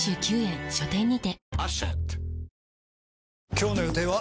今日の予定は？